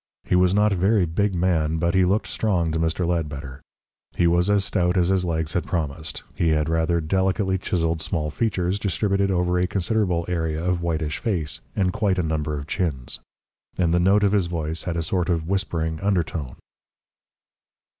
He was not a very big man, but he looked strong to Mr. Ledbetter: he was as stout as his legs had promised, he had rather delicately chiselled small features distributed over a considerable area of whitish face, and quite a number of chins. And the note of his voice had a sort of whispering undertone.